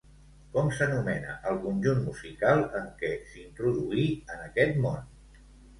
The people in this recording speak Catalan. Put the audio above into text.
Com s'anomena el conjunt musical en què s'introduí en aquest món?